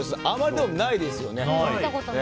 あまり、でもないですよね。